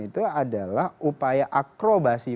itu adalah upaya akrobasi